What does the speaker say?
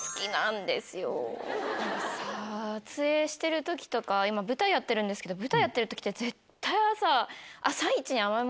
撮影してる時とか今舞台やってるんですけど舞台やってる時って絶対朝。